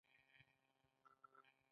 هند یو سیکولر هیواد اعلان شو.